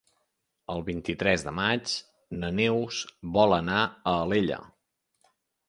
El vint-i-tres de maig na Neus vol anar a Alella.